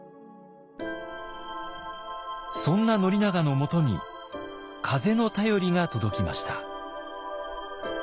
そんな宣長のもとに風の便りが届きました。